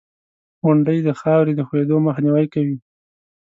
• غونډۍ د خاورې د ښویېدو مخنیوی کوي.